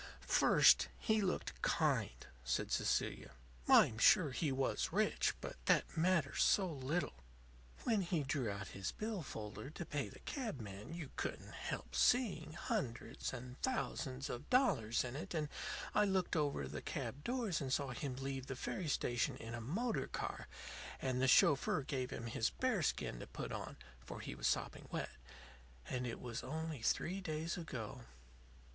"First, he looked kind," said Cecilia. "I'm sure he was rich; but that matters so little. When he drew out his bill folder to pay the cab man you couldn't help seeing hundreds and thousands of dollars in it. And I looked over the cab doors and saw him leave the ferry station in a motor car; and the chauffeur gave him his bearskin to put on, for he was sopping wet. And it was only three days ago."